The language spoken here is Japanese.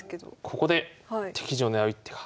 ここで敵陣を狙う一手が。